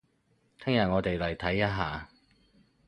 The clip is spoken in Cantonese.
聽日我哋嚟睇一下